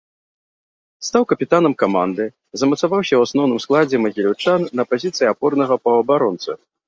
Стаў капітанам каманды, замацаваўся ў асноўным складзе магіляўчан на пазіцыі апорнага паўабаронцы.